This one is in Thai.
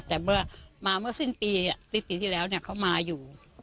แต่เมื่อสิ้นปีที่แล้วเค้ามาอยู่